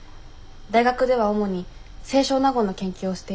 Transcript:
大学では主に清少納言の研究をしています。